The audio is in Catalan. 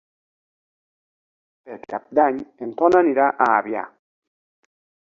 Per Cap d'Any en Ton anirà a Avià.